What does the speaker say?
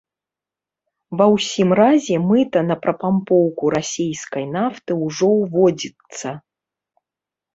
Ва ўсім разе, мыта на прапампоўку расейскай нафты ўжо ўводзіцца.